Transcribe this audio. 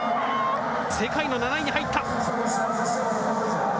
世界の７位に入った。